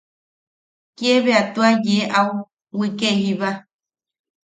Kiabea tua yee au wike jiba.